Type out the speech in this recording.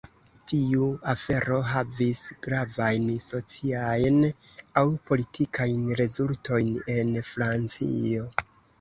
Tiu afero havis gravajn sociajn aŭ politikajn rezultojn en Francio.